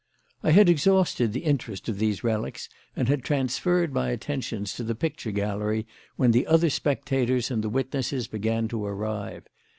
I had exhausted the interest of these relics and had transferred my attentions to the picture gallery when the other spectators and the witnesses began to arrive.